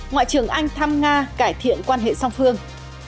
ngoại trưởng anh thăm nga cải thiện quan hệ song phương